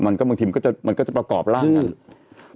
มันก็จะประกอบร่างกัน